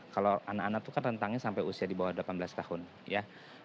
kalau anak anak itu kan rentangnya sampai usia di bawah delapan belas tahun ya